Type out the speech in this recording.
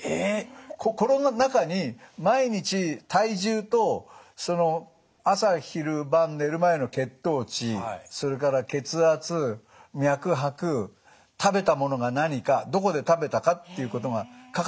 この中に毎日体重と朝昼晩寝る前の血糖値それから血圧脈拍食べたものが何かどこで食べたかということが書かれる。